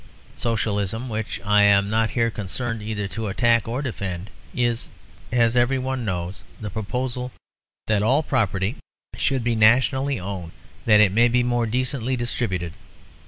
Socialism (which I am not here concerned either to attack or defend) is, as everyone knows, the proposal that all property should be nationally owned that it may be more decently distributed.